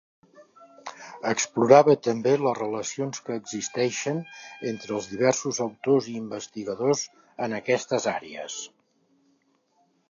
Explorava també les relacions que existeixen entre els diversos autors i investigadors en aquestes àrees.